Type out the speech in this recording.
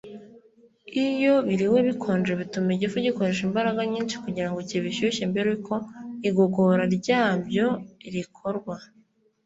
iyo biriwe bikonje, bituma igifu gikoresha imbaraga nyinshi kugira ngo kibishyushe mbere y'uko igogora ryabyo rikorwa